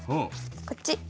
こっち